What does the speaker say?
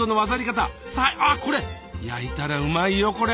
これ焼いたらうまいよこれ！